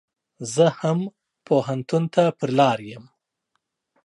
زه هم پو هنتون ته پر لار يم.